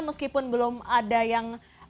meskipun belum ada yang